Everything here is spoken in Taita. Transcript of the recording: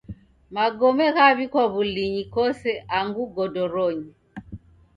Magome ghaw'ikwa w'ulinyi kosi angu ogodoronyi.